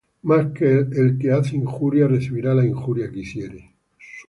Mas el que hace injuria, recibirá la injuria que hiciere;